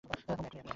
হুম, এক্ষুনি।